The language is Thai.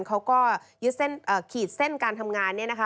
เขาก็ขีดเส้นการทำงานเนี่ยนะคะ